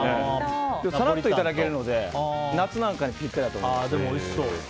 さらっといただけるので夏なんかにぴったりだと思います。